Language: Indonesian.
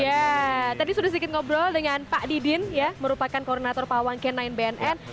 ya tadi sudah sedikit ngobrol dengan pak didin ya merupakan koordinator pawang k sembilan bnn